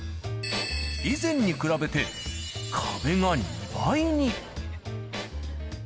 以前に比べて、壁が２倍に。